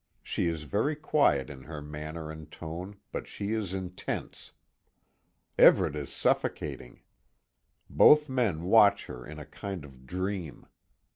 She is very quiet in her manner and tone, but she is intense. Everet is suffocating. Both men watch her in a kind of dream.